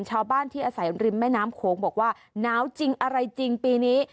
ชาวบ้านที่อาศัยริมแม่น้ำโขงบอกว่าหนาวจริงอะไรจริงปีนี้